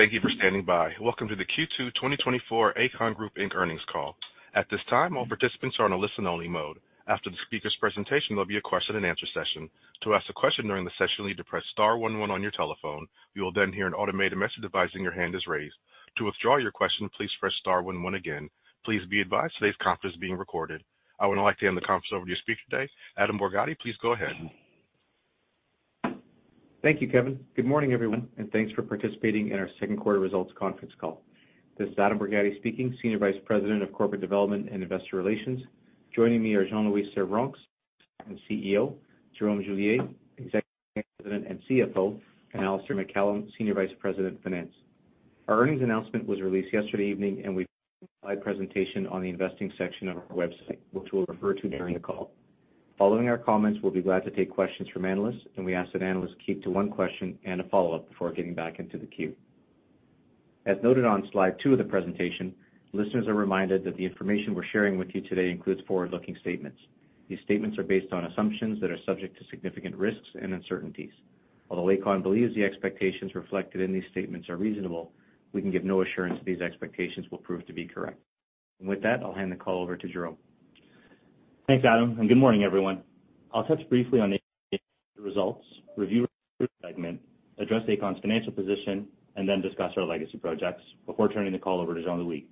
Thank you for standing by. Welcome to the Q2 2024 Aecon Group Inc earnings call. At this time, all participants are on a listen-only mode. After the speaker's presentation, there'll be a question-and-answer session. To ask a question during the session, you'll need to press star one one on your telephone. You will then hear an automated message advising your hand is raised. To withdraw your question, please press star one one again. Please be advised, today's conference is being recorded. I would now like to hand the conference over to your speaker today, Adam Borgatti. Please go ahead. Thank you, Kevin. Good morning, everyone, and thanks for participating in our second quarter results conference call. This is Adam Borgatti speaking, Senior Vice President of Corporate Development and Investor Relations. Joining me are Jean-Louis Servranckx, CEO, Jerome Julier, Executive Vice President and CFO, and Alistair MacCallum, Senior Vice President, Finance. Our earnings announcement was released yesterday evening, and we provide presentation on the investing section of our website, which we'll refer to during the call. Following our comments, we'll be glad to take questions from analysts, and we ask that analysts keep to one question and a follow-up before getting back into the queue. As noted on slide two of the presentation, listeners are reminded that the information we're sharing with you today includes forward-looking statements. These statements are based on assumptions that are subject to significant risks and uncertainties. Although Aecon believes the expectations reflected in these statements are reasonable, we can give no assurance these expectations will prove to be correct. With that, I'll hand the call over to Jerome. Thanks, Adam, and good morning, everyone. I'll touch briefly on the results, review segment, address Aecon's financial position, and then discuss our legacy projects before turning the call over to Jean-Louis.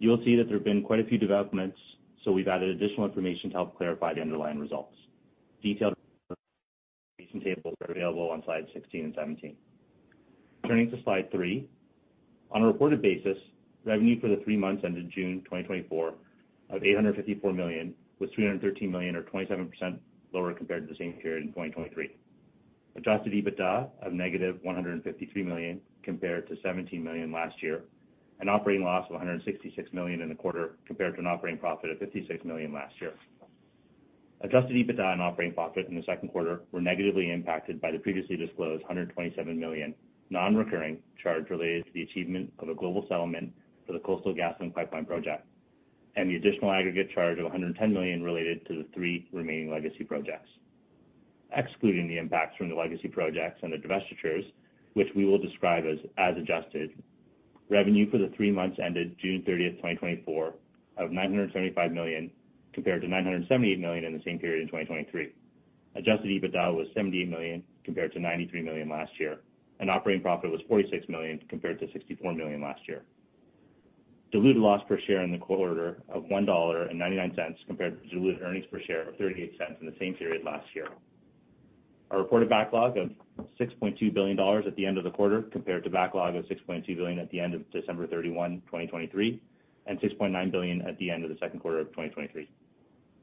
You'll see that there have been quite a few developments, so we've added additional information to help clarify the underlying results. Detailed recent tables are available on slides 16 and 17. Turning to slide three. On a reported basis, revenue for the three months ended June 2024 of 854 million, was 313 million, or 27% lower compared to the same period in 2023. Adjusted EBITDA of -153 million compared to 17 million last year, an operating loss of 166 million in the quarter, compared to an operating profit of 56 million last year. Adjusted EBITDA and operating profit in the second quarter were negatively impacted by the previously disclosed 127 million non-recurring charge related to the achievement of a global settlement for the Coastal GasLink pipeline project, and the additional aggregate charge of 110 million related to the three remaining legacy projects. Excluding the impacts from the legacy projects and the divestitures, which we will describe as, as adjusted, revenue for the three months ended June 30, 2024, of 975 million, compared to 978 million in the same period in 2023. Adjusted EBITDA was 78 million compared to 93 million last year, and operating profit was 46 million compared to 64 million last year. Diluted loss per share in the quarter of 1.99 dollar, compared to diluted earnings per share of 0.38 in the same period last year. Our reported backlog of 6.2 billion dollars at the end of the quarter, compared to backlog of 6.2 billion at the end of December 31, 2023, and 6.9 billion at the end of the second quarter of 2023.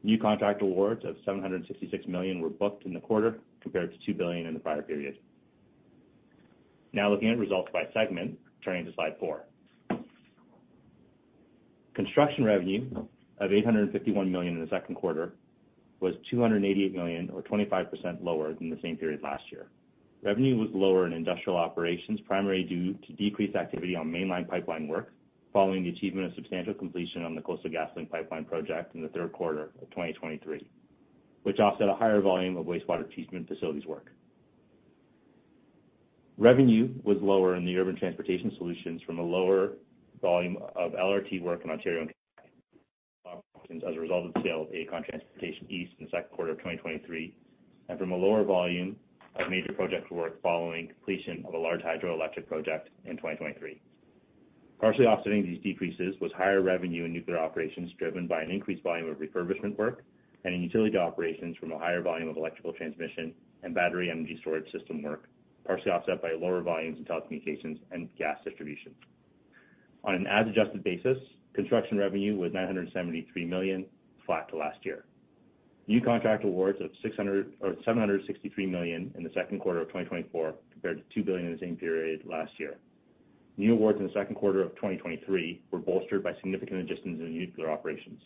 New contract awards of 766 million were booked in the quarter, compared to 2 billion in the prior period. Now looking at results by segment, turning to slide four. Construction revenue of 851 million in the second quarter was 288 million, or 25% lower than the same period last year. Revenue was lower in industrial operations, primarily due to decreased activity on mainline pipeline work, following the achievement of substantial completion on the Coastal GasLink Pipeline project in the third quarter of 2023, which offset a higher volume of wastewater treatment facilities work. Revenue was lower in the urban transportation solutions from a lower volume of LRT work in Ontario as a result of the sale of Aecon Transportation East in the second quarter of 2023, and from a lower volume of major project work following completion of a large hydroelectric project in 2023. Partially offsetting these decreases was higher revenue in nuclear operations, driven by an increased volume of refurbishment work and in utility operations from a higher volume of electrical transmission and battery energy storage system work, partially offset by lower volumes in telecommunications and gas distribution. On an as-adjusted basis, construction revenue was 973 million, flat to last year. New contract awards of 600 million or 763 million in the second quarter of 2024, compared to 2 billion in the same period last year. New awards in the second quarter of 2023 were bolstered by significant adjustments in nuclear operations.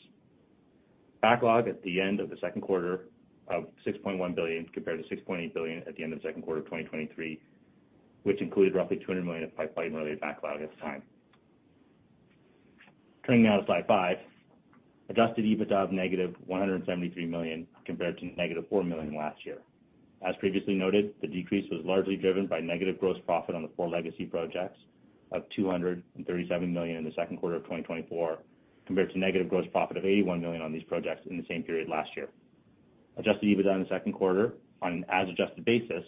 Backlog at the end of the second quarter of 6.1 billion, compared to 6.8 billion at the end of the second quarter of 2023, which included roughly 200 million of pipeline-related backlog at the time. Turning now to slide five. Adjusted EBITDA of -173 million, compared to -4 million last year. As previously noted, the decrease was largely driven by negative gross profit on the four legacy projects of 237 million in the second quarter of 2024, compared to negative gross profit of 81 million on these projects in the same period last year. Adjusted EBITDA in the second quarter on an as-adjusted basis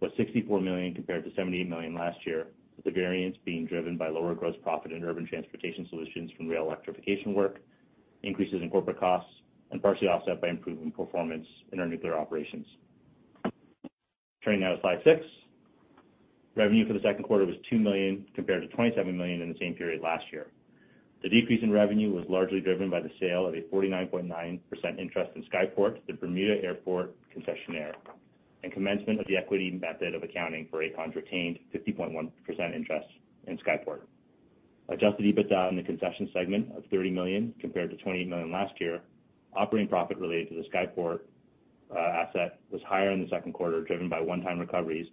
was 64 million compared to 78 million last year, with the variance being driven by lower gross profit in urban transportation solutions from rail electrification work, increases in corporate costs, and partially offset by improving performance in our nuclear operations. Turning now to slide six. Revenue for the second quarter was 2 million, compared to 27 million in the same period last year. The decrease in revenue was largely driven by the sale of a 49.9% interest in Skyport, the Bermuda Airport concessionaire, and commencement of the equity method of accounting for Aecon's retained 50.1% interest in Skyport. Adjusted EBITDA in the concession segment of 30 million, compared to 28 million last year. Operating profit related to the Skyport asset was higher in the second quarter, driven by one-time recoveries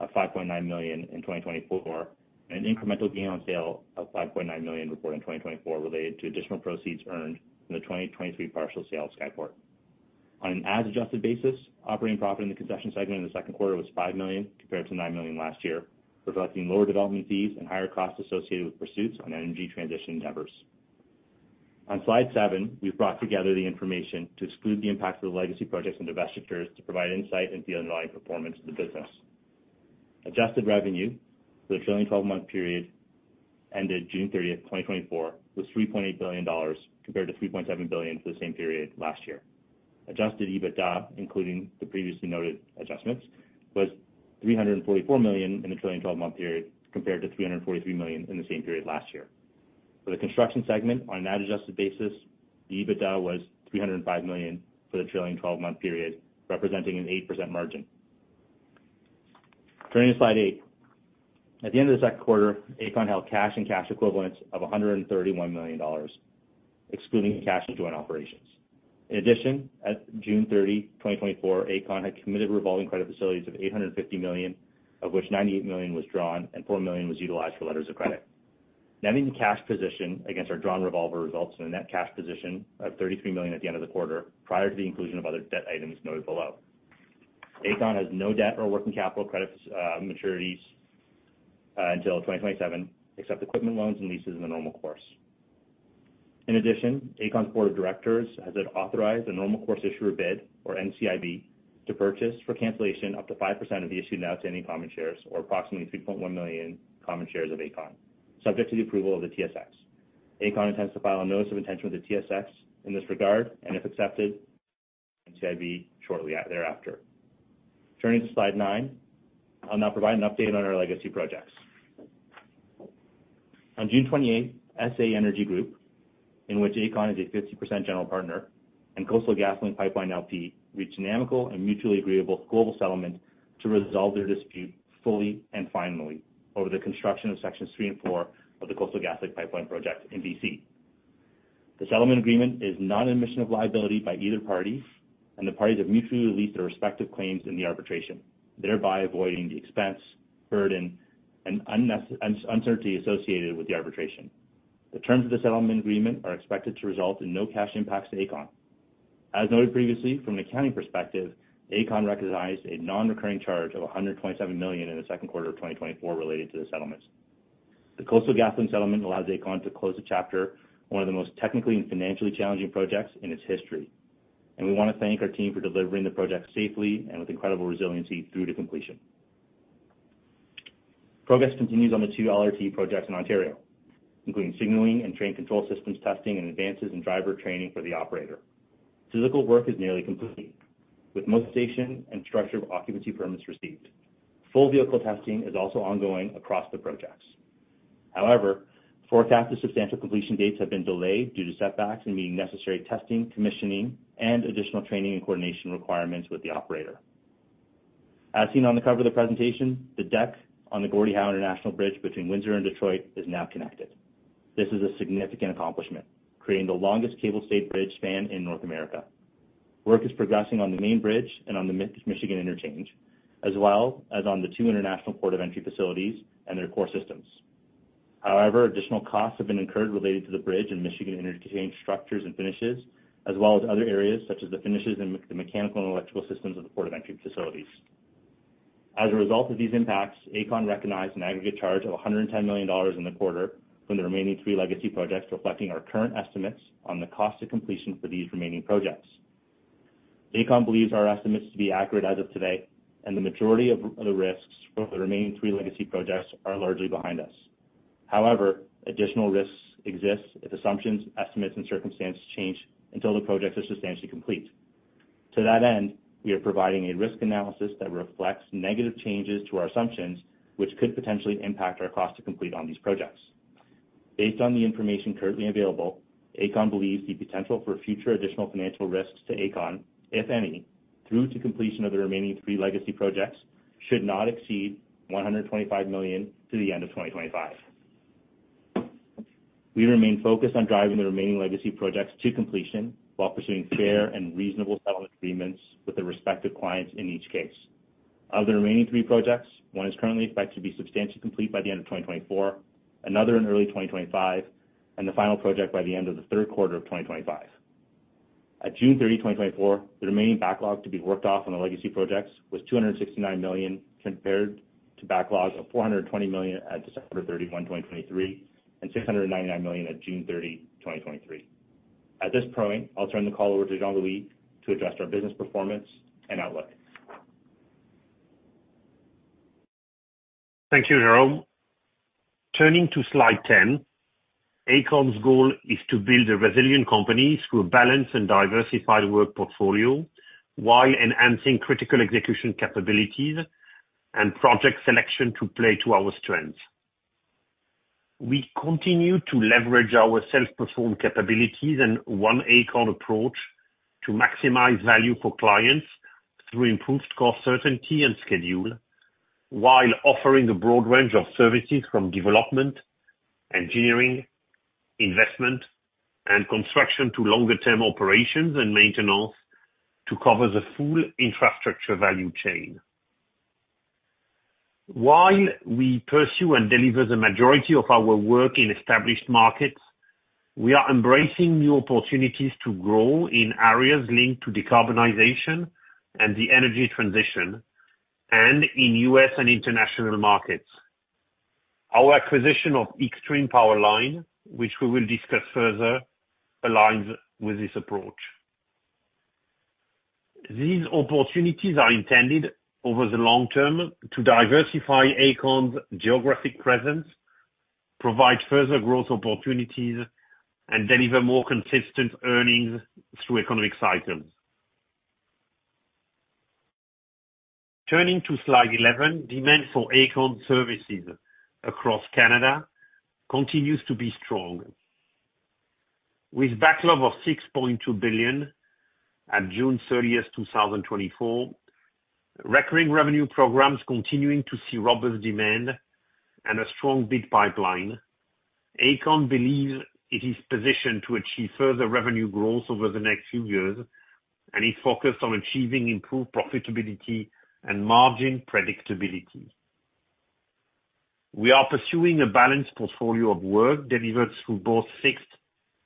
of 5.9 million in 2024, and an incremental gain on sale of 5.9 million reported in 2024 related to additional proceeds earned in the 2023 partial sale of Skyport. On an as-adjusted basis, operating profit in the construction segment in the second quarter was 5 million, compared to 9 million last year, reflecting lower development fees and higher costs associated with pursuits on energy transition endeavors. On slide seven, we've brought together the information to exclude the impact of the legacy projects and divestitures to provide insight into the underlying performance of the business. Adjusted revenue for the trailing 12-month period ended June 30, 2024, was 3.8 billion dollars, compared to 3.7 billion for the same period last year. Adjusted EBITDA, including the previously noted adjustments, was 344 million in the trailing 12-month period, compared to 343 million in the same period last year. For the construction segment, on an adjusted basis, the EBITDA was 305 million for the trailing 12-month period, representing an 8% margin. Turning to slide eight. At the end of the second quarter, Aecon held cash and cash equivalents of 131 million dollars, excluding cash and joint operations. In addition, at June 30, 2024, Aecon had committed revolving credit facilities of 850 million, of which 98 million was drawn and 4 million was utilized for letters of credit. Netting the cash position against our drawn revolver results in a net cash position of 33 million at the end of the quarter, prior to the inclusion of other debt items noted below. Aecon has no debt or working capital credits, maturities, until 2027, except equipment loans and leases in the normal course. In addition, Aecon's board of directors has authorized a Normal Course Issuer Bid, or NCIB, to purchase for cancellation up to 5% of the issued and outstanding common shares, or approximately 3.1 million common shares of Aecon, subject to the approval of the TSX. Aecon intends to file a notice of intention with the TSX in this regard, and if accepted, NCIB shortly thereafter. Turning to slide nine, I'll now provide an update on our legacy projects. On June 28, SA Energy Group, in which Aecon is a 50% general partner, and Coastal GasLink Pipeline LP, reached an amicable and mutually agreeable global settlement to resolve their dispute fully and finally over the construction of Sections 3 and 4 of the Coastal GasLink pipeline project in BC. The settlement agreement is not an admission of liability by either party, and the parties have mutually released their respective claims in the arbitration, thereby avoiding the expense, burden, and uncertainty associated with the arbitration. The terms of the settlement agreement are expected to result in no cash impacts to Aecon. As noted previously, from an accounting perspective, Aecon recognized a non-recurring charge of 127 million in the second quarter of 2024 related to the settlements. The Coastal GasLink settlement allows Aecon to close the chapter on one of the most technically and financially challenging projects in its history, and we want to thank our team for delivering the project safely and with incredible resiliency through to completion. Progress continues on the two LRT projects in Ontario, including signaling and train control systems testing and advances in driver training for the operator. Physical work is nearly complete, with most station and structural occupancy permits received. Full vehicle testing is also ongoing across the projects. However, forecasted substantial completion dates have been delayed due to setbacks and meeting necessary testing, commissioning, and additional training and coordination requirements with the operator. As seen on the cover of the presentation, the deck on the Gordie Howe International Bridge between Windsor and Detroit is now connected. This is a significant accomplishment, creating the longest cable-stayed bridge span in North America. Work is progressing on the main bridge and on the Michigan interchange, as well as on the two international port of entry facilities and their core systems. However, additional costs have been incurred related to the bridge and Michigan interchange structures and finishes, as well as other areas such as the finishes and the mechanical and electrical systems of the port of entry facilities. As a result of these impacts, Aecon recognized an aggregate charge of 110 million dollars in the quarter from the remaining three legacy projects, reflecting our current estimates on the cost of completion for these remaining projects. Aecon believes our estimates to be accurate as of today, and the majority of the risks for the remaining three legacy projects are largely behind us. However, additional risks exist if assumptions, estimates, and circumstances change until the projects are substantially complete. To that end, we are providing a risk analysis that reflects negative changes to our assumptions, which could potentially impact our cost to complete on these projects. Based on the information currently available, Aecon believes the potential for future additional financial risks to Aecon, if any, through to completion of the remaining three legacy projects, should not exceed 125 million to the end of 2025. We remain focused on driving the remaining legacy projects to completion while pursuing fair and reasonable settlement agreements with the respective clients in each case. Of the remaining three projects, one is currently expected to be substantially complete by the end of 2024, another in early 2025, and the final project by the end of the third quarter of 2025. At June 30, 2024, the remaining backlog to be worked off on the legacy projects was 269 million, compared to backlog of 420 million at December 31, 2023, and 699 million at June 30, 2023. At this point, I'll turn the call over to Jean-Louis to address our business performance and outlook. Thank you, Jerome. Turning to slide 10, Aecon's goal is to build a resilient company through a balanced and diversified work portfolio, while enhancing critical execution capabilities and project selection to play to our strengths. We continue to leverage our self-performed capabilities and One Aecon approach to maximize value for clients through improved cost, certainty, and schedule, while offering a broad range of services from development, engineering, investment, and construction to longer-term operations and maintenance to cover the full infrastructure value chain.... While we pursue and deliver the majority of our work in established markets, we are embracing new opportunities to grow in areas linked to decarbonization and the energy transition, and in U.S. and international markets. Our acquisition of Xtreme Powerline, which we will discuss further, aligns with this approach. These opportunities are intended over the long term to diversify Aecon's geographic presence, provide further growth opportunities, and deliver more consistent earnings through economic cycles. Turning to slide 11, demand for Aecon services across Canada continues to be strong. With backlog of 6.2 billion at June 30, 2024, recurring revenue programs continuing to see robust demand and a strong bid pipeline, Aecon believes it is positioned to achieve further revenue growth over the next few years, and is focused on achieving improved profitability and margin predictability. We are pursuing a balanced portfolio of work delivered through both fixed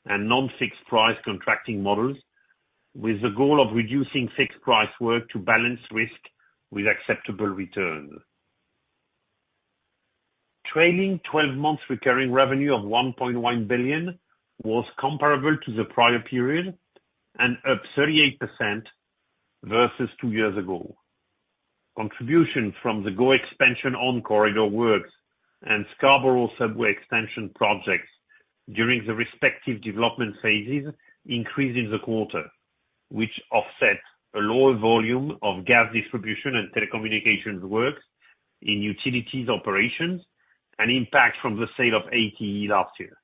and non-fixed price contracting models, with the goal of reducing fixed price work to balance risk with acceptable return. Trailing 12 months recurring revenue of 1.1 billion was comparable to the prior period, and up 38% versus two years ago. Contribution from the GO Expansion On-Corridor Works and Scarborough Subway Extension projects during the respective development phases increased in the quarter, which offset a lower volume of gas distribution and telecommunications works in utilities operations and impact from the sale of ATE last year.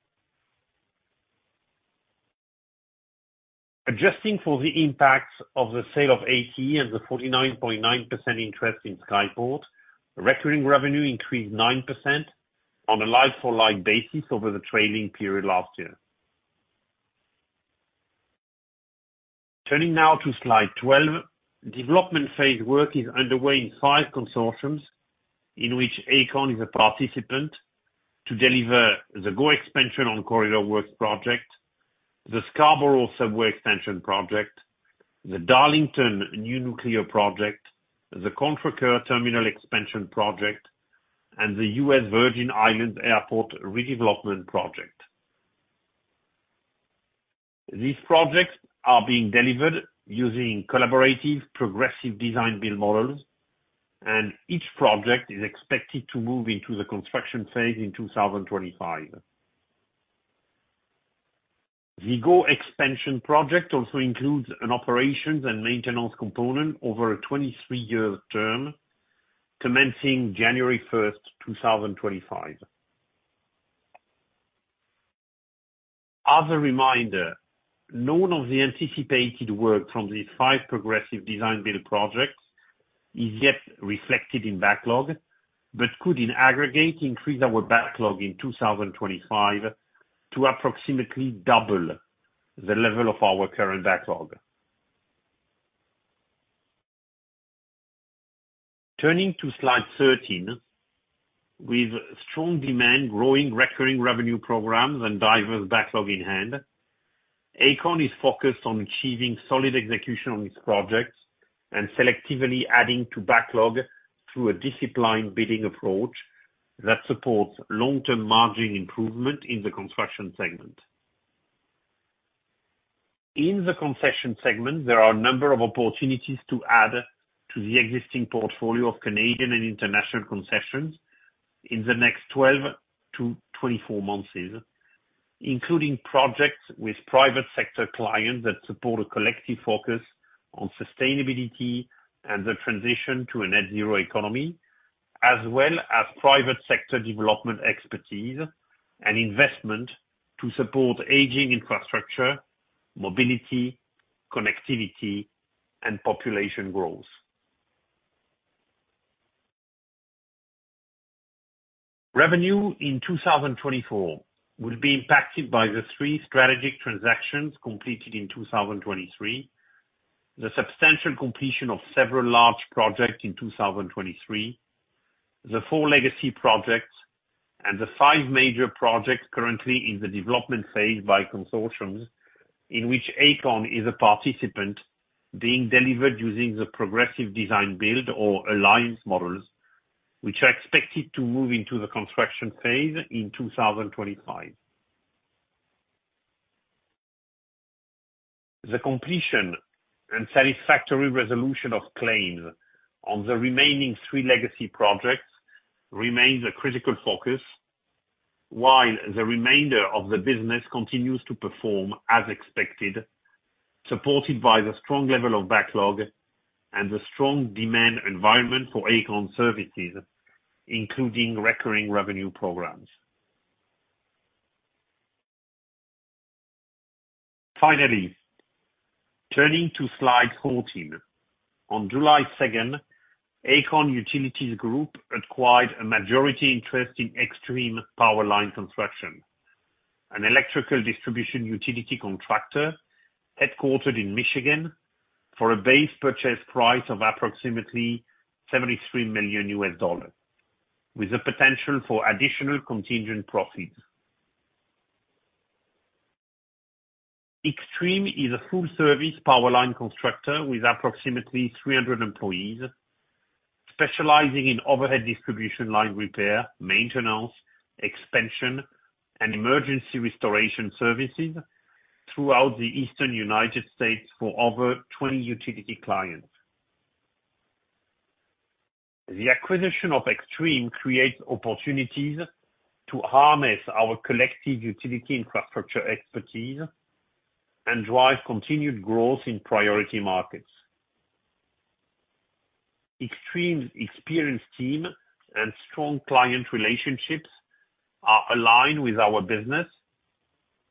Adjusting for the impact of the sale of ATE and the 49.9% interest in Skyport, recurring revenue increased 9% on a like-for-like basis over the trailing period last year. Turning now to slide 12. Development phase work is underway in five consortiums, in which Aecon is a participant, to deliver the GO Expansion On-Corridor Works project, the Scarborough Subway Extension project, the Darlington New Nuclear Project, the Contrecœur Terminal Expansion project, and the U.S. Virgin Islands Airport Redevelopment project. These projects are being delivered using collaborative, progressive design-build models, and each project is expected to move into the construction phase in 2025. The GO Expansion project also includes an operations and maintenance component over a 23-year term, commencing January 1, 2025. As a reminder, none of the anticipated work from these five progressive design-build projects is yet reflected in backlog, but could, in aggregate, increase our backlog in 2025 to approximately double the level of our current backlog. Turning to slide 13. With strong demand, growing recurring revenue programs, and diverse backlog in hand, Aecon is focused on achieving solid execution on its projects and selectively adding to backlog through a disciplined bidding approach that supports long-term margin improvement in the construction segment. In the concession segment, there are a number of opportunities to add to the existing portfolio of Canadian and international concessions in the next 12-24 months, including projects with private sector clients that support a collective focus on sustainability and the transition to a net zero economy, as well as private sector development expertise and investment to support aging infrastructure, mobility, connectivity, and population growth. Revenue in 2024 will be impacted by the three strategic transactions completed in 2023, the substantial completion of several large projects in 2023, the four legacy projects, and the five major projects currently in the development phase by consortiums in which Aecon is a participant being delivered using the Progressive Design-Build or Alliance models, which are expected to move into the construction phase in 2025. The completion and satisfactory resolution of claims on the remaining three legacy projects remains a critical focus, while the remainder of the business continues to perform as expected, supported by the strong level of backlog and the strong demand environment for Aecon services, including recurring revenue programs. Finally, turning to slide 14. On July 2, Aecon Utilities Group acquired a majority interest in Xtreme Powerline Construction, an electrical distribution utility contractor headquartered in Michigan, for a base purchase price of approximately $73 million, with the potential for additional contingent profits. Xtreme is a full service power line constructor with approximately 300 employees, specializing in overhead distribution line repair, maintenance, expansion, and emergency restoration services throughout the Eastern United States for over 20 utility clients. The acquisition of Xtreme creates opportunities to harness our collective utility infrastructure expertise and drive continued growth in priority markets. Xtreme's experienced team and strong client relationships are aligned with our business,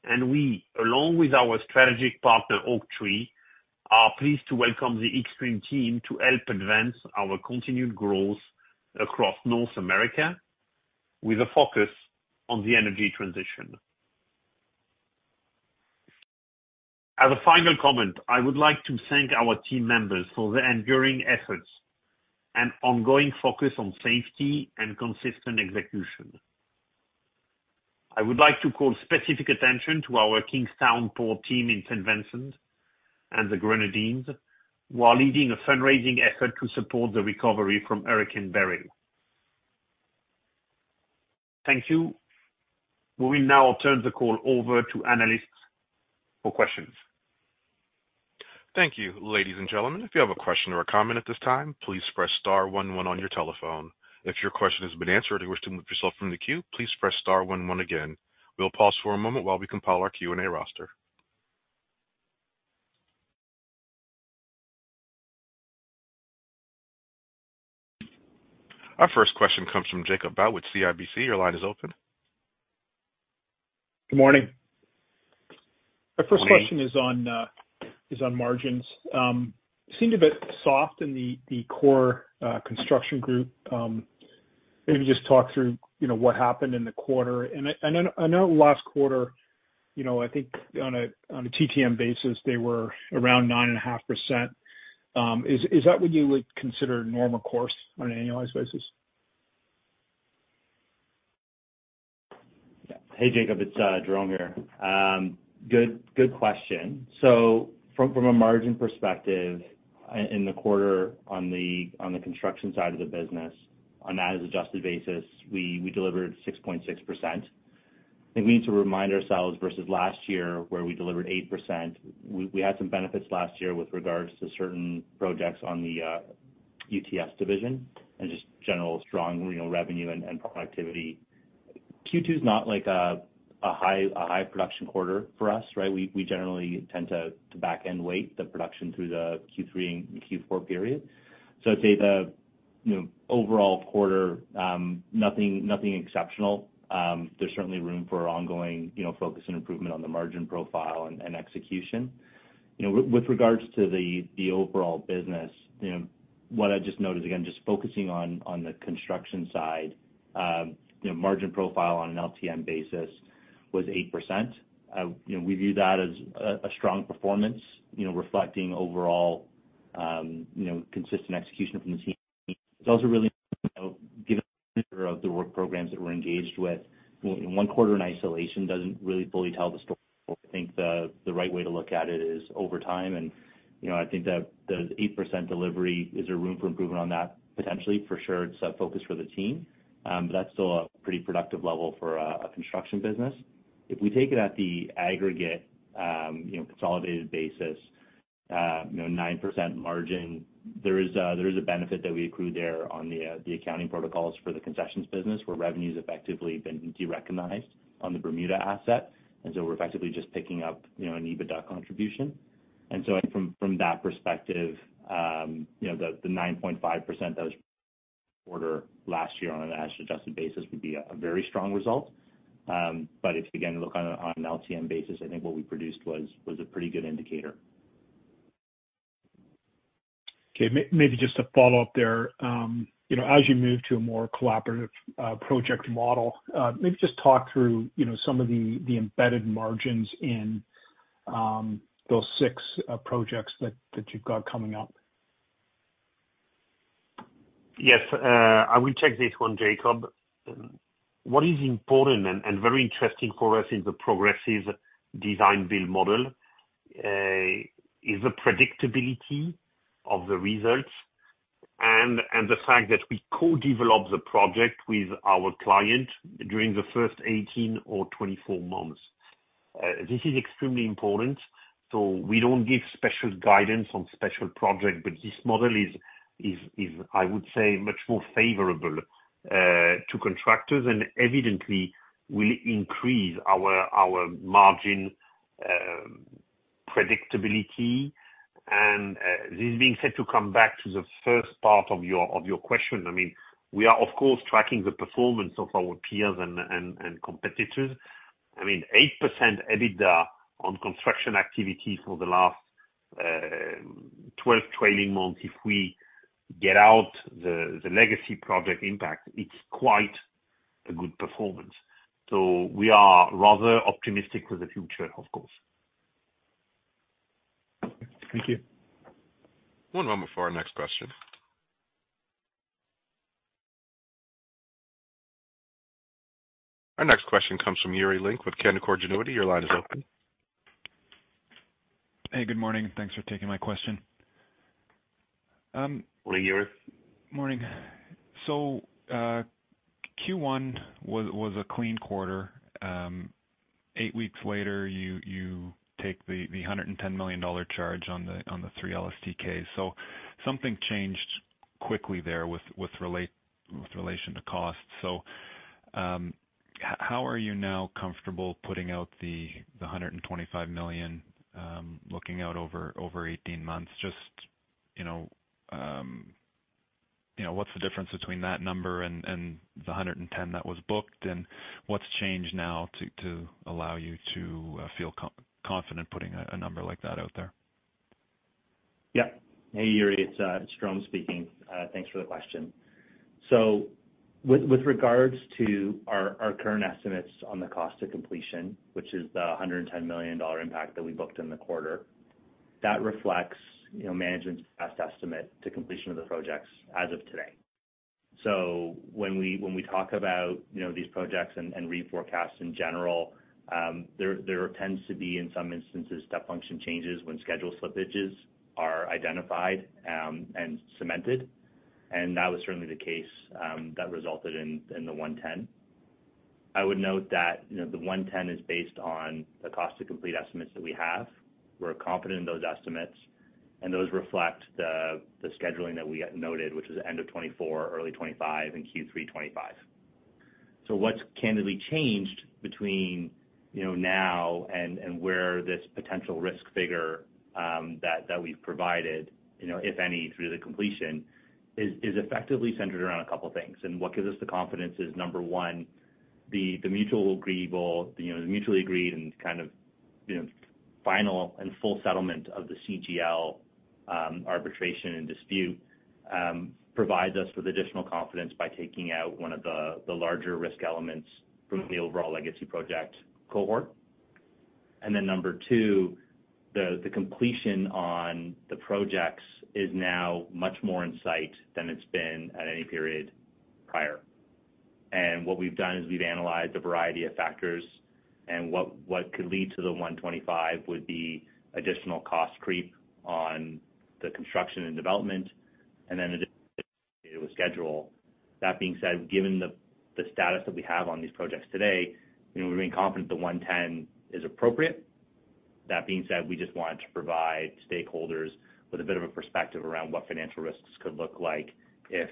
and we, along with our strategic partner, Oaktree, are pleased to welcome the Xtreme team to help advance our continued growth across North America with a focus on the energy transition. As a final comment, I would like to thank our team members for their enduring efforts and ongoing focus on safety and consistent execution. I would like to call specific attention to our Kingstown Port team in St. Vincent and the Grenadines, while leading a fundraising effort to support the recovery from Hurricane Beryl. Thank you. We will now turn the call over to analysts for questions. Thank you, ladies and gentlemen. If you have a question or a comment at this time, please press star one one on your telephone. If your question has been answered or you wish to remove yourself from the queue, please press star one one again. We'll pause for a moment while we compile our Q&A roster. Our first question comes from Jacob Bout with CIBC. Your line is open. Good morning. My first question is on, is on margins. Seemed a bit soft in the, the core construction group. Maybe just talk through, you know, what happened in the quarter. And I know last quarter, you know, I think on a, on a TTM basis, they were around 9.5%. Is that what you would consider normal course on an annualized basis? Hey, Jacob, it's Jerome here. Good, good question. So from a margin perspective, in the quarter, on the construction side of the business, on an as-adjusted basis, we delivered 6.6%. I think we need to remind ourselves versus last year, where we delivered 8%, we had some benefits last year with regards to certain projects on the UTS division and just general strong, you know, revenue and productivity. Q2's not like a high production quarter for us, right? We generally tend to back-end weight the production through the Q3 and Q4 period. So I'd say the, you know, overall quarter, nothing exceptional. There's certainly room for ongoing, you know, focus and improvement on the margin profile and execution. You know, with regards to the overall business, you know, what I just noted, again, just focusing on the construction side, you know, margin profile on an LTM basis was 8%. You know, we view that as a strong performance, you know, reflecting overall, you know, consistent execution from the team. It's also really, you know, given the work programs that we're engaged with, one quarter in isolation doesn't really fully tell the story. I think the right way to look at it is over time, and, you know, I think that the 8% delivery, is there room for improvement on that? Potentially, for sure, it's a focus for the team. But that's still a pretty productive level for a construction business. If we take it at the aggregate, you know, consolidated basis, you know, 9% margin, there is a, there is a benefit that we accrue there on the, the accounting protocols for the concessions business, where revenue's effectively been derecognized on the Bermuda asset. And so we're effectively just picking up, you know, an EBITDA contribution. And so from, from that perspective, you know, the, the 9.5% that was quarter last year on an as adjusted basis would be a, a very strong result. But if, again, look on a, on an LTM basis, I think what we produced was, was a pretty good indicator. Okay. Maybe just to follow up there, you know, as you move to a more collaborative project model, maybe just talk through, you know, some of the embedded margins in those six projects that you've got coming up? Yes, I will take this one, Jacob. What is important and, and very interesting for us in the progressive design-build model, is the predictability of the results and, and the fact that we co-develop the project with our client during the first 18 or 24 months. This is extremely important, so we don't give special guidance on special project, but this model is, is, is, I would say, much more favorable, to contractors, and evidently will increase our, our margin, predictability. This being said, to come back to the first part of your, of your question, I mean, we are, of course, tracking the performance of our peers and, and, and competitors. I mean, 8% EBITDA on construction activity for the last 12 trailing months, if we get out the, the legacy project impact, it's quite a good performance. We are rather optimistic for the future, of course. Thank you. One moment for our next question. Our next question comes from Yuri Lynk with Canaccord Genuity. Your line is open. Hey, good morning, and thanks for taking my question. Good morning, Yuri. Good morning. So, Q1 was a clean quarter. Eight weeks later, you take the 110 million dollar charge on the three LSTKs. So something changed quickly there with relation to cost. So, how are you now comfortable putting out the 125 million, looking out over 18 months? Just, you know, you know, what's the difference between that number and the 110 million that was booked, and what's changed now to allow you to feel confident putting a number like that out there? Yeah. Hey, Yuri, it's, it's Jerome speaking. Thanks for the question. So with, with regards to our, our current estimates on the cost of completion, which is the 110 million dollar impact that we booked in the quarter, that reflects, you know, management's best estimate to completion of the projects as of today. So when we, when we talk about, you know, these projects and, and reforecast in general, there, there tends to be, in some instances, step function changes when schedule slippages are identified, and cemented. And that was certainly the case, that resulted in, in the 110. I would note that, you know, the 110 is based on the cost to complete estimates that we have. We're confident in those estimates, and those reflect the scheduling that we had noted, which is end of 2024, early 2025, and Q3 2025. So what's candidly changed between, you know, now and where this potential risk figure that we've provided, you know, if any, through the completion is effectively centered around a couple things. And what gives us the confidence is, number one, the mutually agreed and kind of, you know, final and full settlement of the CGL arbitration and dispute provides us with additional confidence by taking out one of the larger risk elements from the overall legacy project cohort. And then number two, the completion on the projects is now much more in sight than it's been at any period prior. What we've done is we've analyzed a variety of factors, and what could lead to the 125 would be additional cost creep on the construction and development, and then additional with schedule. That being said, given the status that we have on these projects today, you know, we remain confident the 110 is appropriate. That being said, we just wanted to provide stakeholders with a bit of a perspective around what financial risks could look like if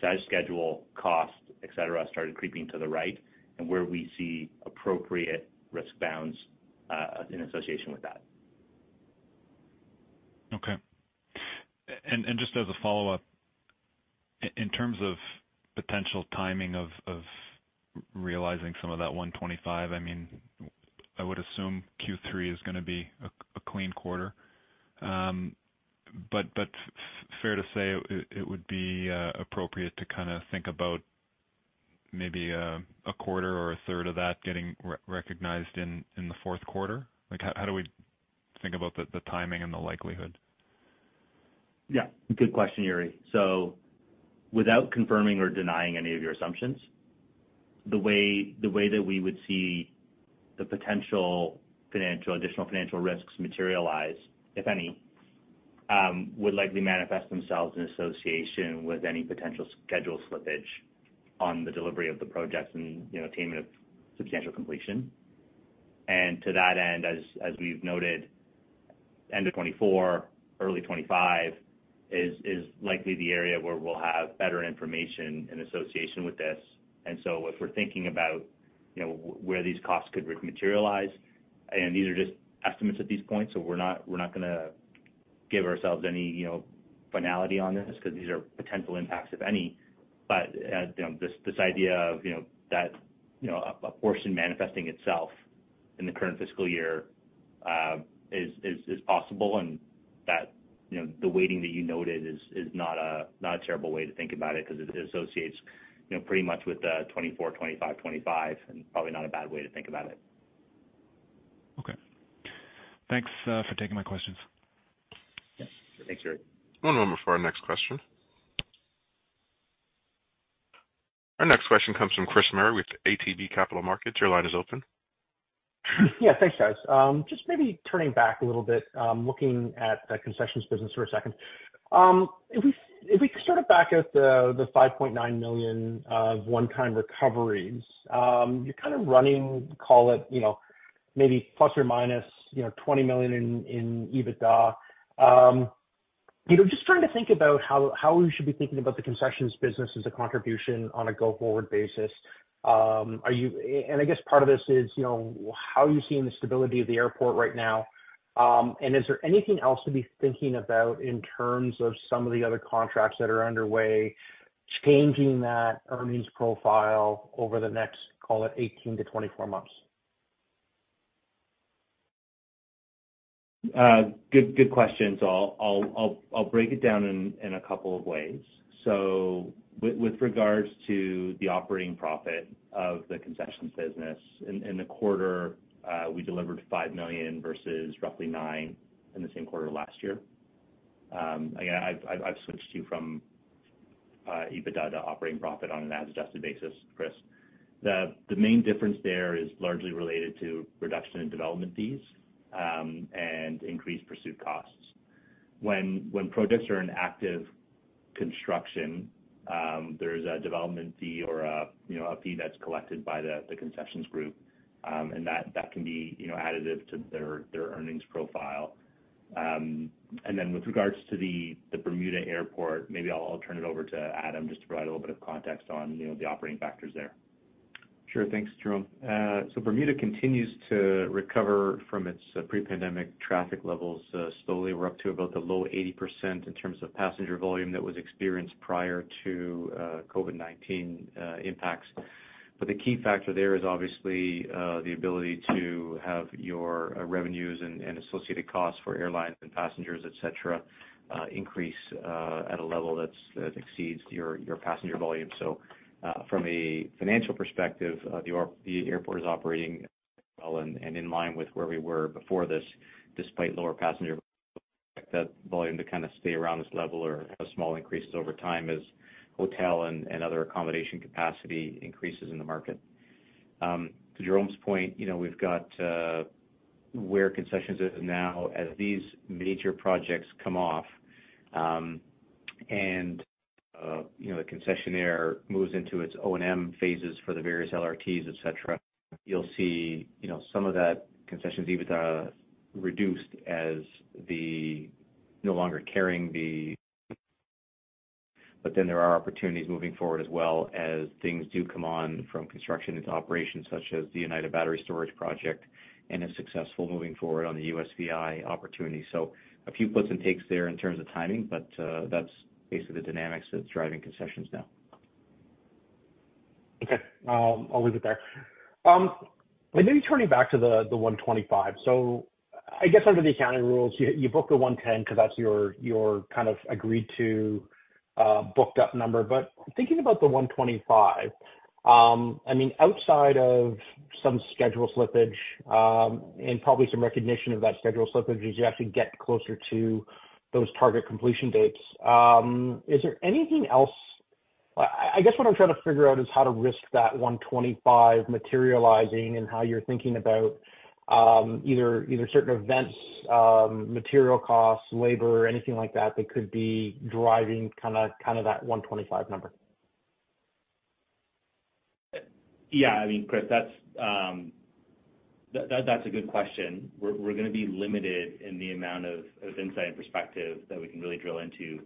size, schedule, cost, et cetera, started creeping to the right, and where we see appropriate risk bounds in association with that. Okay. And just as a follow-up, in terms of potential timing of realizing some of that 125, I mean, I would assume Q3 is gonna be a clean quarter. But fair to say, it would be appropriate to kind of think about maybe a quarter or a third of that getting recognized in the fourth quarter? Like, how do we think about the timing and the likelihood? Yeah, good question, Yuri. So without confirming or denying any of your assumptions, the way that we would see the potential financial, additional financial risks materialize, if any, would likely manifest themselves in association with any potential schedule slippage on the delivery of the projects and, you know, attainment of substantial completion. And to that end, as we've noted, end of 2024, early 2025 is likely the area where we'll have better information in association with this. And so if we're thinking about, you know, where these costs could materialize, and these are just estimates at this point, so we're not gonna give ourselves any, you know, finality on this, because these are potential impacts, if any. You know, this idea of, you know, that, you know, a portion manifesting itself in the current fiscal year, is possible, and that, you know, the weighting that you noted is not a terrible way to think about it, because it associates, you know, pretty much with the 2024, 2025, 2025, and probably not a bad way to think about it. Okay. Thanks for taking my questions. Yeah. Thanks, Yuri. One moment for our next question. Our next question comes from Chris Murray with ATB Capital Markets. Your line is open. Yeah, thanks, guys. Just maybe turning back a little bit, looking at the concessions business for a second. If we could start back at the 5.9 million of one-time recoveries, you're kind of running, call it, you know, maybe ±20 million in EBITDA. You know, just trying to think about how we should be thinking about the concessions business as a contribution on a go-forward basis. Are you—and I guess part of this is, you know, how are you seeing the stability of the airport right now? And is there anything else to be thinking about in terms of some of the other contracts that are underway changing that earnings profile over the next, call it, 18-24 months? Good, good question. So I'll break it down in a couple of ways. So with regards to the operating profit of the concessions business, in the quarter, we delivered 5 million versus roughly 9 million in the same quarter last year. Again, I've switched you from EBITDA to operating profit on an as-adjusted basis, Chris. The main difference there is largely related to reduction in development fees and increased pursuit costs. When projects are in active construction, there's a development fee or a, you know, a fee that's collected by the concessions group, and that can be, you know, additive to their earnings profile. And then with regards to the Bermuda Airport, maybe I'll turn it over to Adam just to provide a little bit of context on, you know, the operating factors there. Sure. Thanks, Jerome. So Bermuda continues to recover from its pre-pandemic traffic levels. Slowly, we're up to about the low 80% in terms of passenger volume that was experienced prior to COVID-19 impacts. But the key factor there is obviously the ability to have your revenues and associated costs for airlines and passengers, et cetera, increase at a level that exceeds your passenger volume. So from a financial perspective, the airport is operating well and in line with where we were before this, despite lower passenger. That volume to kind of stay around this level or a small increase over time as hotel and other accommodation capacity increases in the market. To Jerome's point, you know, we've got where concessions is now as these major projects come off, and you know, the concessionaire moves into its O&M phases for the various LRTs, et cetera, you'll see, you know, some of that concessions EBITDA reduced as the... no longer carrying the, but then there are opportunities moving forward as well as things do come on from construction into operations, such as the Oneida Battery Storage Project, and is successful moving forward on the USVI opportunity. So a few puts and takes there in terms of timing, but that's basically the dynamics that's driving concessions now. Okay. I'll leave it there. But maybe turning back to the 125. So I guess under the accounting rules, you book the 110 because that's your kind of agreed to booked up number. But thinking about the 125, I mean, outside of some schedule slippage, and probably some recognition of that schedule slippage as you actually get closer to those target completion dates, is there anything else? I guess what I'm trying to figure out is how to risk that 125 materializing and how you're thinking about either certain events, material costs, labor, or anything like that that could be driving kind of that 125 number. Yeah, I mean, Chris, that's a good question. We're gonna be limited in the amount of insight and perspective that we can really drill into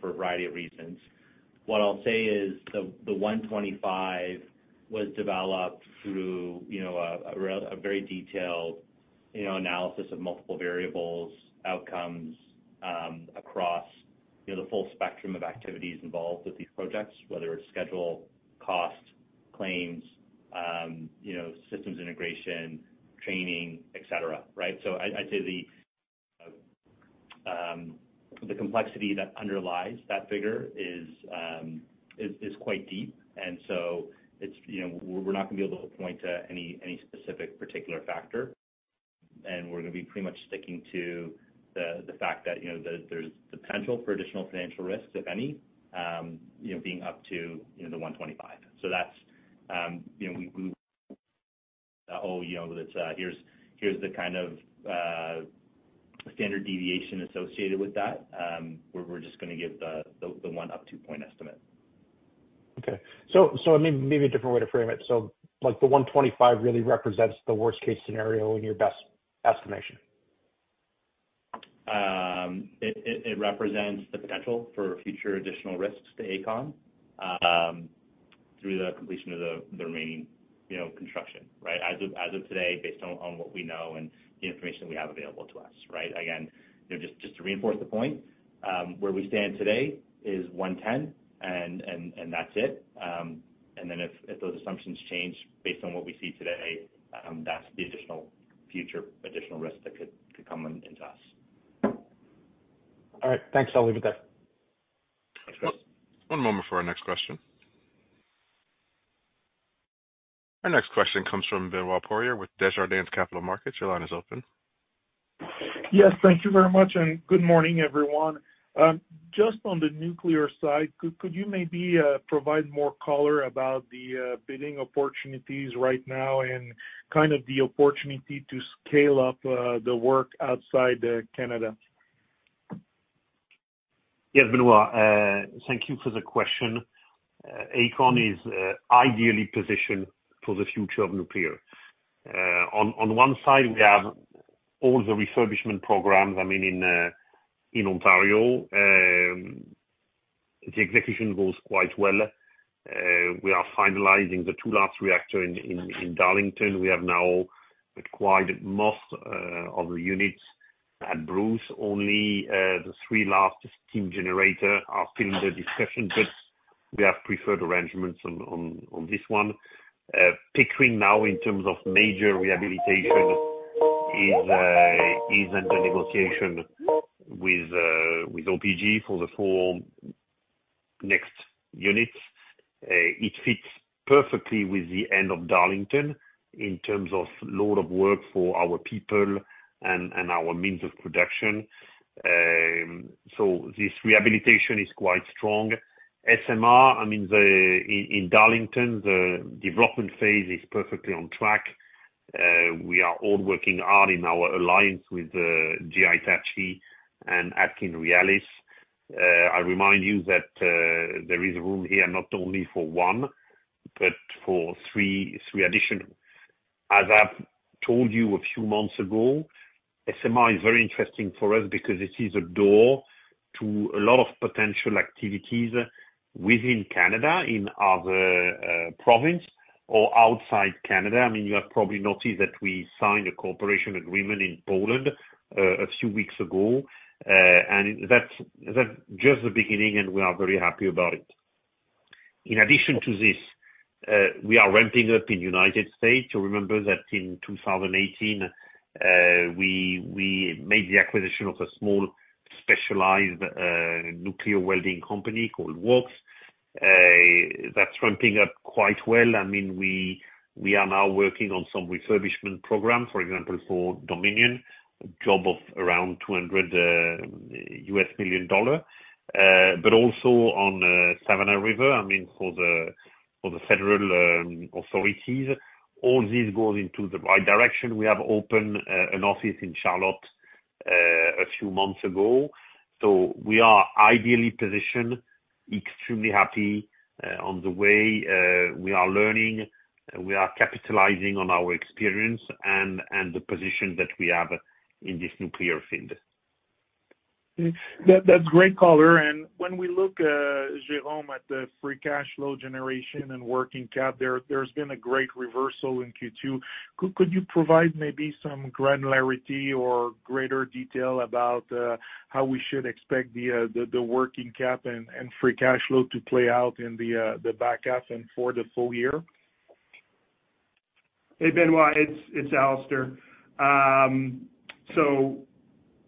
for a variety of reasons. What I'll say is the 125 was developed through, you know, a very detailed, you know, analysis of multiple variables, outcomes across, you know, the full spectrum of activities involved with these projects, whether it's schedule, cost, claims, you know, systems integration, training, et cetera, right? So I'd say the complexity that underlies that figure is quite deep, and so it's, you know, we're not gonna be able to point to any specific particular factor, and we're gonna be pretty much sticking to the fact that, you know, there's the potential for additional financial risks, if any, you know, being up to, you know, 125. So that's, you know, oh, you know, let's, here's the kind of standard deviation associated with that. We're just gonna give the one to two point estimate. Okay. So maybe a different way to frame it. So, like, the 125 really represents the worst case scenario in your best estimation? It represents the potential for future additional risks to Aecon, through the completion of the remaining, you know, construction, right? As of today, based on what we know and the information we have available to us, right? Again, you know, just to reinforce the point, where we stand today is 110, and that's it. And then if those assumptions change based on what we see today, that's the additional future additional risk that could come into us. All right. Thanks. I'll leave it there. Thanks, Chris. One moment for our next question. Our next question comes from Benoit Poirier with Desjardins Capital Markets. Your line is open. Yes, thank you very much, and good morning, everyone. Just on the nuclear side, could you maybe provide more color about the bidding opportunities right now and kind of the opportunity to scale up the work outside Canada? Yes, Benoit, thank you for the question. Aecon is ideally positioned for the future of nuclear. On one side, we have all the refurbishment programs, I mean, in Ontario. The execution goes quite well. We are finalizing the two last reactor in Darlington. We have now acquired most of the units at Bruce; only the three last steam generator are still in the discussion, but we have preferred arrangements on this one. Pickering now in terms of major rehabilitation is under negotiation with OPG for the four next units. It fits perfectly with the end of Darlington in terms of load of work for our people and our means of production. So this rehabilitation is quite strong. SMR, I mean, the, in Darlington, the development phase is perfectly on track. We are all working hard in our alliance with GE Hitachi and AtkinsRéalis. I remind you that there is room here not only for one, but for three additional. As I've told you a few months ago, SMR is very interesting for us because it is a door to a lot of potential activities within Canada, in other province or outside Canada. I mean, you have probably noticed that we signed a cooperation agreement in Poland a few weeks ago. And that's just the beginning, and we are very happy about it. In addition to this, we are ramping up in United States. You remember that in 2018, we made the acquisition of a small, specialized nuclear welding company called Wachs. That's ramping up quite well, I mean, we are now working on some refurbishment programs, for example, for Dominion, a job of around $200 million. But also on Savannah River, I mean, for the federal authorities. All this goes into the right direction. We have opened an office in Charlotte a few months ago. So we are ideally positioned, extremely happy on the way we are learning. We are capitalizing on our experience and the position that we have in this nuclear field. That, that's great color. And when we look, Jerome, at the free cash flow generation and working cap, there, there's been a great reversal in Q2. Could you provide maybe some granularity or greater detail about how we should expect the working cap and free cash flow to play out in the back half and for the full year? Hey, Benoit, it's Alistair. So,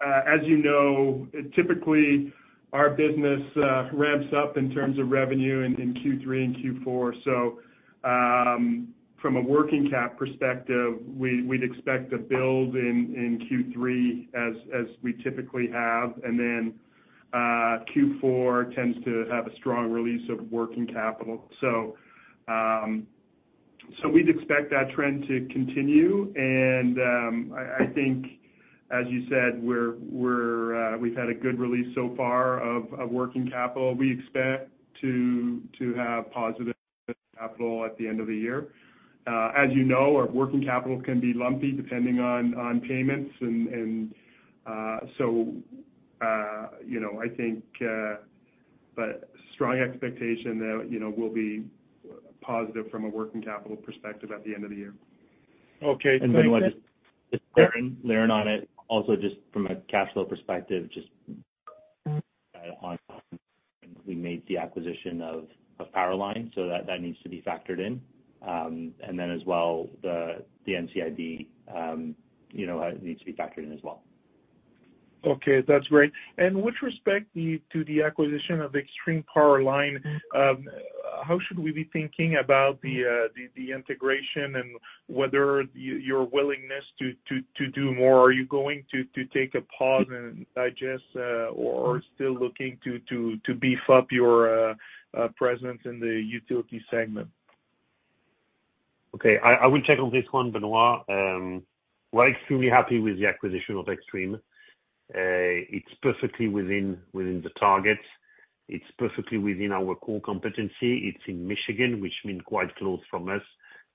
as you know, typically, our business ramps up in terms of revenue in Q3 and Q4. So, from a working cap perspective, we'd expect to build in Q3 as we typically have, and then Q4 tends to have a strong release of working capital. So, we'd expect that trend to continue. And I think, as you said, we've had a good release so far of working capital. We expect to have positive capital at the end of the year. As you know, our working capital can be lumpy, depending on payments and you know, I think. But strong expectation that, you know, we'll be positive from a working capital perspective at the end of the year. Okay, thank you. Benoit, it's Jerome, Jerome on it. Also, just from a cash flow perspective, just on, we made the acquisition of Powerline, so that needs to be factored in. And then as well, the NCIB, you know, needs to be factored in as well. Okay, that's great. And with respect to, to the acquisition of Xtreme Powerline- Mm-hmm. How should we be thinking about the integration and whether your willingness to do more? Are you going to take a pause and digest, or still looking to beef up your presence in the utility segment? Okay. I will check on this one, Benoit. We're extremely happy with the acquisition of Xtreme. It's perfectly within the targets. It's perfectly within our core competency. It's in Michigan, which means quite close from us.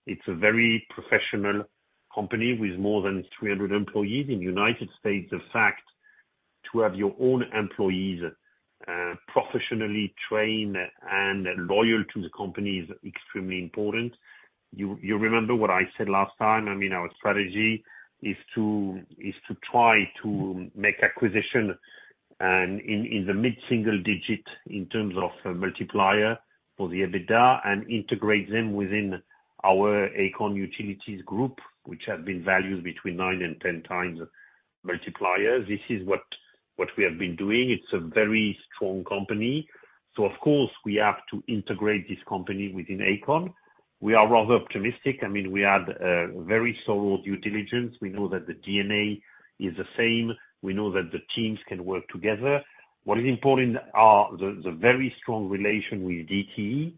It's a very professional company with more than 300 employees. In United States, the fact to have your own employees professionally trained and loyal to the company is extremely important. You remember what I said last time, I mean, our strategy is to try to make acquisition, and in the mid-single digit, in terms of multiplier for the EBITDA, and integrate them within our Aecon Utilities Group, which have been valued between 9x and 10x multiplier. This is what we have been doing. It's a very strong company. So of course, we have to integrate this company within Aecon. We are rather optimistic. I mean, we had a very solid due diligence. We know that the DNA is the same. We know that the teams can work together. What is important are the very strong relation with DTE,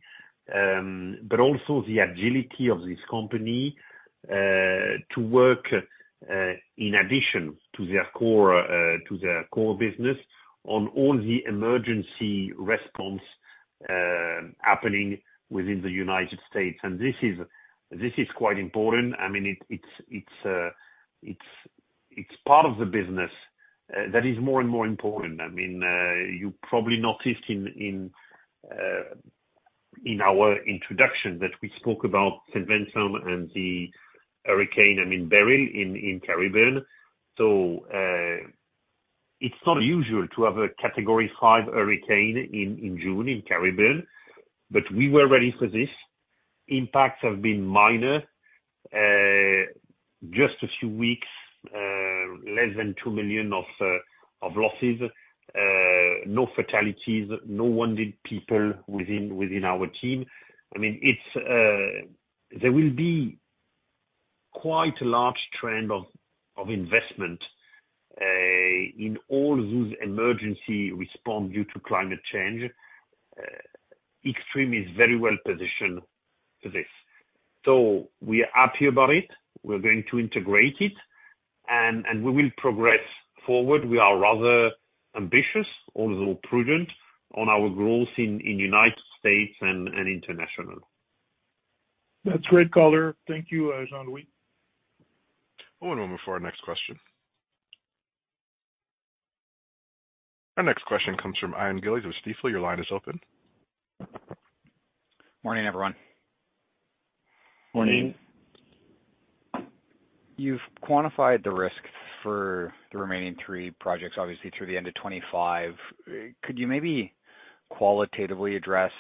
but also the agility of this company to work in addition to their core to their core business on all the emergency response happening within the United States. And this is quite important. I mean, it's part of the business that is more and more important. I mean, you probably noticed in our introduction that we spoke about St. Vincent and the hurricane, I mean, Beryl, in Caribbean. So, it's not usual to have a Category Five hurricane in June in Caribbean, but we were ready for this. Impacts have been minor. Just a few weeks, less than 2 million of losses, no fatalities, no wounded people within our team. I mean, it's... There will be quite a large trend of investment in all those emergency response due to climate change. Xtreme is very well positioned for this. So we are happy about it. We're going to integrate it, and we will progress forward. We are rather ambitious, although prudent, on our growth in United States and international. That's great color. Thank you, Jean-Louis. One moment for our next question. Our next question comes from Ian Gillies with Stifel. Your line is open. Morning, everyone. Morning. You've quantified the risk for the remaining three projects, obviously, through the end of 2025. Could you maybe qualitatively address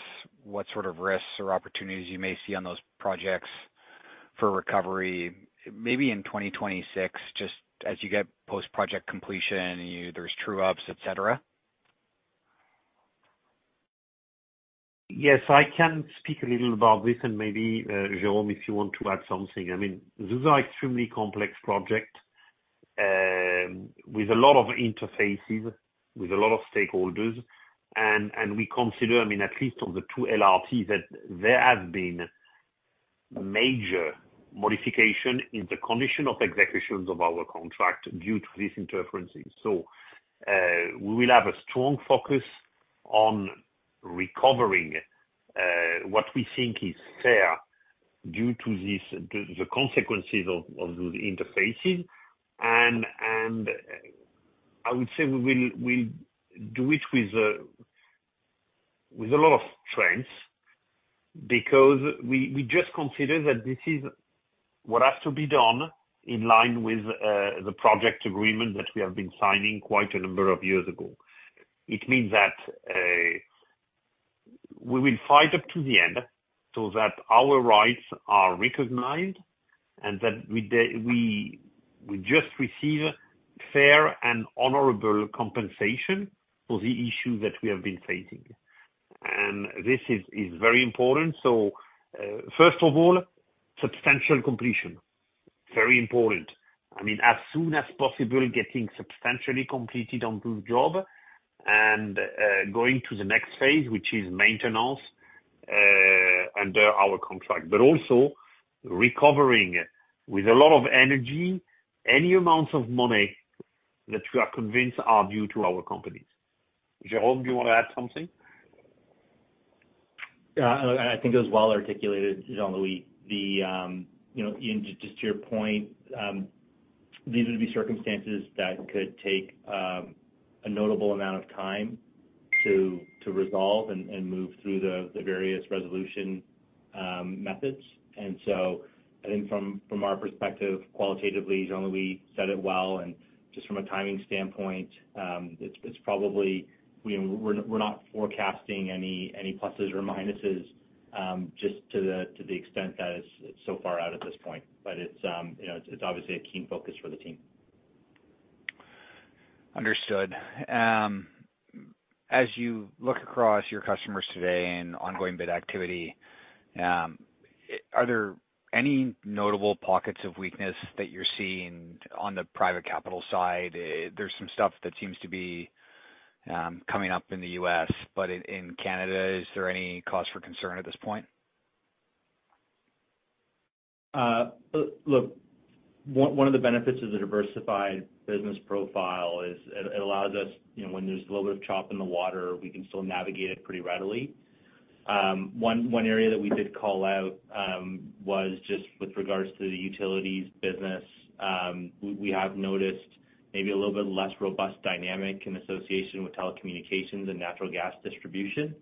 what sort of risks or opportunities you may see on those projects for recovery, maybe in 2026, just as you get post-project completion, there's true ups, et cetera? Yes, I can speak a little about this, and maybe, Jerome, if you want to add something. I mean, those are extremely complex project, with a lot of interfaces, with a lot of stakeholders, and, and we consider, I mean, at least on the two LRTs, that there have been major modification in the condition of executions of our contract due to this interference. So, we will have a strong focus on recovering, what we think is fair due to this, due to the consequences of, of those interfaces. And, and I would say we will, we'll do it with, with a lot of strength, because we, we just consider that this is what has to be done in line with, the project agreement that we have been signing quite a number of years ago. It means that we will fight up to the end so that our rights are recognized, and that we just receive fair and honorable compensation for the issue that we have been facing. This is very important. So, first of all, substantial completion, very important. I mean, as soon as possible, getting substantially completed on this job and going to the next phase, which is maintenance, under our contract. But also recovering, with a lot of energy, any amounts of money that we are convinced are due to our companies. Jerome, do you want to add something? I think it was well articulated, Jean-Louis. You know, and just to your point, these would be circumstances that could take a notable amount of time to resolve and move through the various resolution methods. And so I think from our perspective, qualitatively, Jean-Louis said it well, and just from a timing standpoint, it's probably... We're not forecasting any pluses or minuses, just to the extent that it's so far out at this point. But you know, it's obviously a key focus for the team. Understood. As you look across your customers today and ongoing bid activity, are there any notable pockets of weakness that you're seeing on the private capital side? There's some stuff that seems to be coming up in the U.S., but in Canada, is there any cause for concern at this point? Look, one of the benefits of the diversified business profile is it allows us, you know, when there's a little bit of chop in the water, we can still navigate it pretty readily. One area that we did call out was just with regards to the utilities business. We have noticed maybe a little bit less robust dynamic in association with telecommunications and natural gas distribution.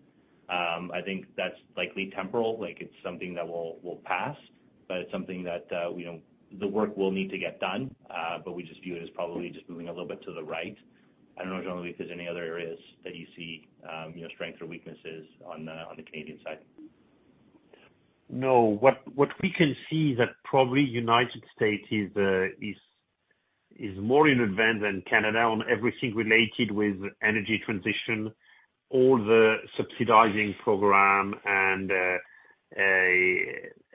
I think that's likely temporal, like it's something that will pass, but it's something that we know the work will need to get done, but we just view it as probably just moving a little bit to the right. I don't know, Jean-Louis, if there's any other areas that you see, you know, strengths or weaknesses on the Canadian side. No. What we can see is that probably United States is more in advance than Canada on everything related with energy transition, all the subsidizing program and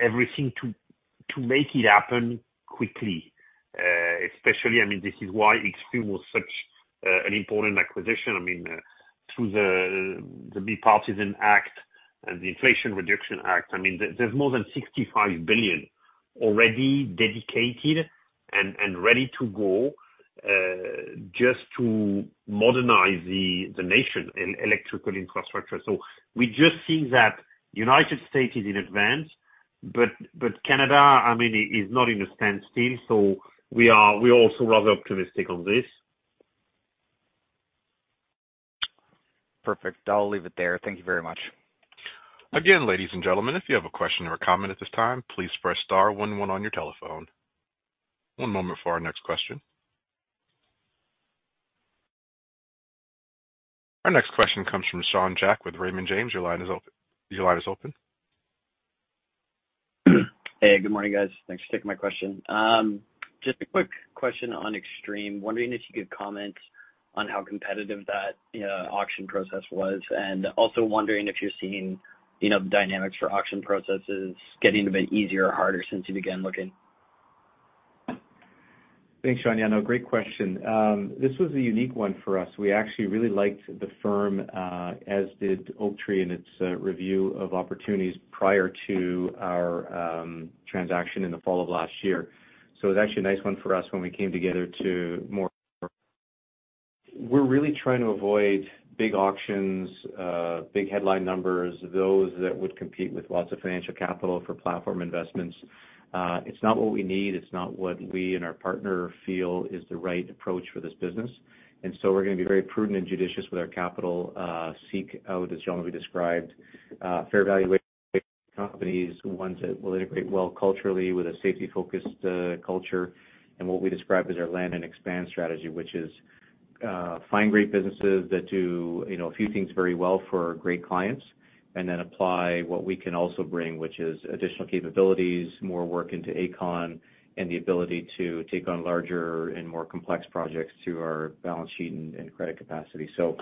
everything to make it happen quickly. Especially, I mean, this is why Xtreme was such an important acquisition. I mean, through the Bipartisan Act and the Inflation Reduction Act, I mean, there's more than $65 billion already dedicated and ready to go, just to modernize the nation in electrical infrastructure. So we just think that United States is in advance. But Canada, I mean, is not in a standstill, so we are, we're also rather optimistic on this. Perfect. I'll leave it there. Thank you very much. Again, ladies and gentlemen, if you have a question or a comment at this time, please press star one one on your telephone. One moment for our next question. Our next question comes from Sean Jack with Raymond James. Your line is open. Your line is open. Hey, good morning, guys. Thanks for taking my question. Just a quick question on Xtreme. Wondering if you could comment on how competitive that auction process was, and also wondering if you're seeing, you know, the dynamics for auction processes getting a bit easier or harder since you began looking? Thanks, Sean. Yeah, no, great question. This was a unique one for us. We actually really liked the firm, as did Oaktree in its review of opportunities prior to our transaction in the fall of last year. So it was actually a nice one for us when we came together to more. We're really trying to avoid big auctions, big headline numbers, those that would compete with lots of financial capital for platform investments. It's not what we need, it's not what we and our partner feel is the right approach for this business. And so we're gonna be very prudent and judicious with our capital, seek out, as Jean-Louis described, fair valuation companies, ones that will integrate well culturally with a safety-focused culture, and what we describe as our land and expand strategy, which is, find great businesses that do, you know, a few things very well for our great clients, and then apply what we can also bring, which is additional capabilities, more work into Aecon, and the ability to take on larger and more complex projects to our balance sheet and credit capacity. So,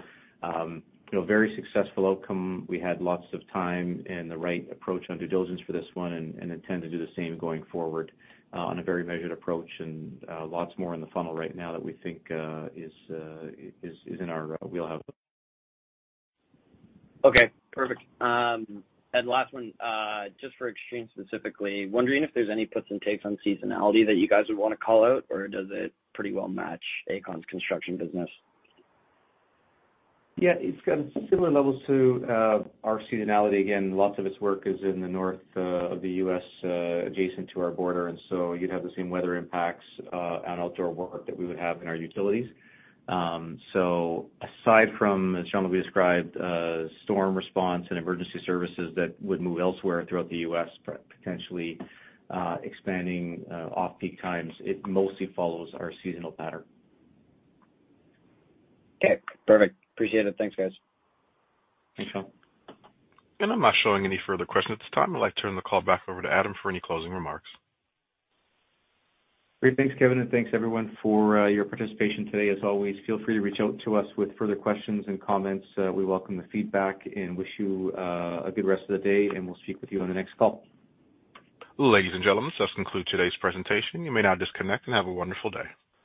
you know, very successful outcome. We had lots of time and the right approach on due diligence for this one, and intend to do the same going forward, on a very measured approach, and lots more in the funnel right now that we think is in our wheelhouse. Okay, perfect. And last one, just for Xtreme specifically, wondering if there's any puts and takes on seasonality that you guys would want to call out, or does it pretty well match Aecon's construction business? Yeah, it's got similar levels to our seasonality. Again, lots of its work is in the north of the U.S., adjacent to our border, and so you'd have the same weather impacts on outdoor work that we would have in our utilities. So aside from, as Jean-Louis described, storm response and emergency services that would move elsewhere throughout the U.S., potentially expanding off-peak times, it mostly follows our seasonal pattern. Okay, perfect. Appreciate it. Thanks, guys. Thanks, Sean. I'm not showing any further questions at this time. I'd like to turn the call back over to Adam for any closing remarks. Great. Thanks, Kevin, and thanks, everyone, for your participation today. As always, feel free to reach out to us with further questions and comments. We welcome the feedback and wish you a good rest of the day, and we'll speak with you on the next call. Ladies and gentlemen, this concludes today's presentation. You may now disconnect and have a wonderful day.